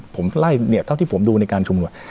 ผมไล่เนี่ยเท่าที่ผมดูในการชุมนุม